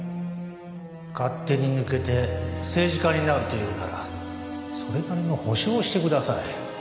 勝手に抜けて政治家になるというならそれなりの保証をしてください。